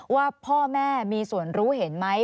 ว่าพ่อแม่มีส่วนรู้เห็นไหม